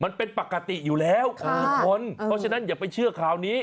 มันเป็นปกติอยู่แล้วของทุกคนเพราะฉะนั้นอย่าไปเชื่อข่าวนี้